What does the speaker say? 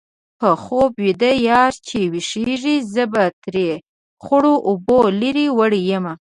په خوب ویده یار چې ويښېږي-زه به ترې خړو اوبو لرې وړې یمه